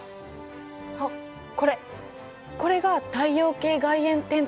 あっこれこれが太陽系外縁天体かな？